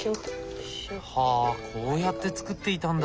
はあこうやって作っていたんだ。